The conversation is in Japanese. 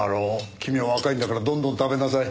君は若いんだからどんどん食べなさい。